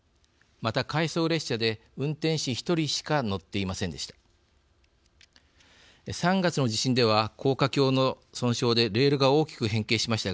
また回送列車で運転士１人しか乗っていませんでした。